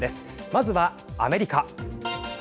まずはアメリカ。